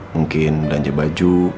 mungkin belanja baju